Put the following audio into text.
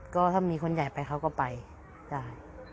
ก็ถ้ามีคนใหญ่ไปเขาก็ไปได้